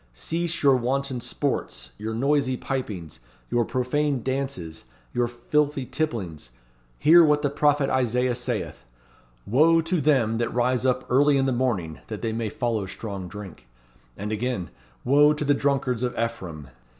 Cease your wanton sports, your noisy pipings, your profane dances, your filthy tipplings. Hear what the prophet Isaiah saith: 'Wo to them that rise up early in the morning, that they may follow strong drink.' And again: 'Wo to the drunkards of Ephraim.'